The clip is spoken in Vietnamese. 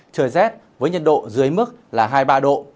trời rét với nhiệt độ dưới mức là hai mươi ba độ